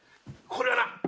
これはな